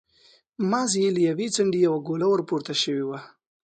مازې له يوې څنډې يې يوه ګوله ور پورته شوې وه.